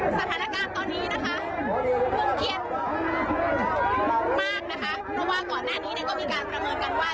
สถานการณ์ตอนนี้นะคะตึงเครียดมากนะคะเพราะว่าก่อนหน้านี้เนี่ยก็มีการประเมินกันว่า